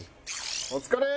お疲れ！